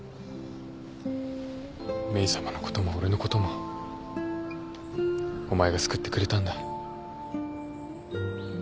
メイさまのことも俺のこともお前が救ってくれたんだ。